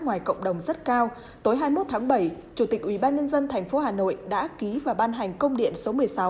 ngoài cộng đồng rất cao tối hai mươi một tháng bảy chủ tịch ubnd tp hà nội đã ký và ban hành công điện số một mươi sáu